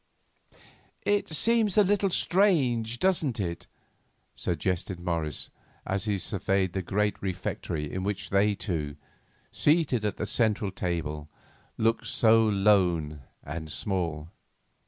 "It seems a little strange, doesn't it?" suggested Morris as he surveyed the great refectory in which they two, seated at the central table, looked so lone and small.